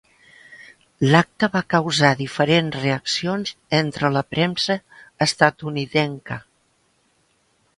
L'acte va causar diferents reaccions entre la premsa estatunidenca.